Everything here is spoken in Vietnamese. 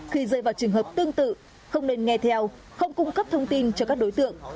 khi rơi vào trường hợp tương tự không nên nghe theo không cung cấp thông tin cho các đối tượng